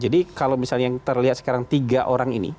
jadi kalau misalnya yang terlihat sekarang tiga orang ini